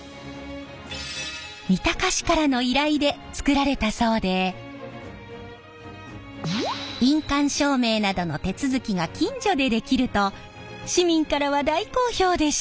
三鷹市からの依頼で作られたそうで印鑑証明などの手続きが近所でできると市民からは大好評でした！